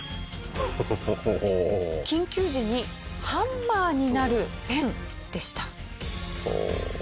緊急時にハンマーになるペンでした。